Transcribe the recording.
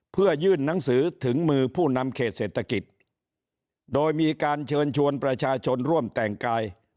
เพื่อยื่นหนังสือถึงมือผู้นำเขตเศรษฐกิจโดยมีการเชิญชวนประชาชนร่วมแต่งกาย